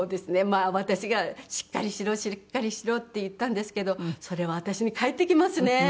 まあ私が「しっかりしろしっかりしろ」って言ったんですけどそれは私に返ってきますね。